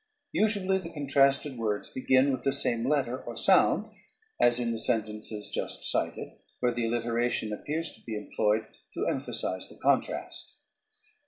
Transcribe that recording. Usually the contrasted words begin with the same letter or sound, as in the sentences just cited, where the alliteration appears to be employed to emphasize the contrast.